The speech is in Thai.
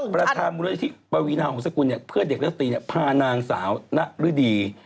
ประธานมูลยธิปวีนาวของสกุลเพื่อเด็กรัศตรีพานางสาวนรดี